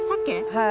はい。